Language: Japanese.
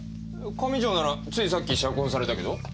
上条ならついさっき釈放されたけど？